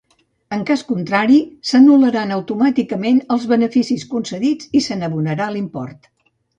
En cas contrari s'anul·laran automàticament els beneficis concedits i se n'abonarà l'import.